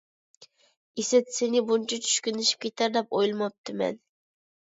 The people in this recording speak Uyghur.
ئىسىت، سېنى بۇنچە چۈشكۈنلىشىپ كېتەر دەپ ئويلىماپتىمەن.